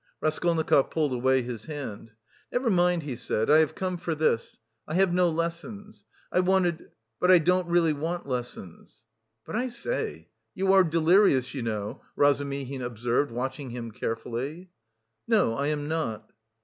Raskolnikov pulled away his hand. "Never mind," he said, "I have come for this: I have no lessons.... I wanted,... but I don't really want lessons...." "But I say! You are delirious, you know!" Razumihin observed, watching him carefully. "No, I am not."